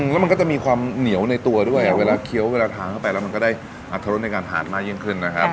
แล้วมันก็จะมีความเหนียวในตัวด้วยเวลาเคี้ยวเวลาทานเข้าไปแล้วมันก็ได้อัตรรสในการทานมากยิ่งขึ้นนะครับ